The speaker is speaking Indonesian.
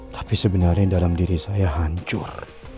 tapi sebenarnya dalam diri saya hancur